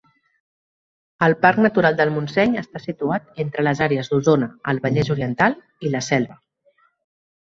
El Parc Natural del Montseny està situat entre les àrees d'Osona, el Vallès Oriental i la Selva.